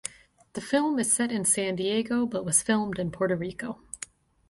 The film is set in San Diego but was filmed in Puerto Rico.